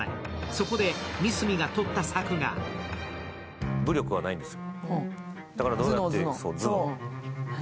そこで三角がとった策が武力はないんです。